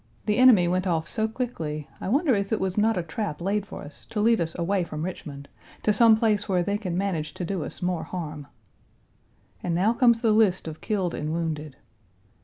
The enemy went off so quickly, I wonder if it was not a trap laid for us, to lead us away from Richmond, to some place where they can manage to do us more harm. And now comes the list of killed and wounded.